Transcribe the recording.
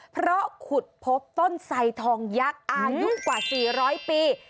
เพราะขุดพบต้นไสทองยักษ์อายุกว่า๔๐๐ปี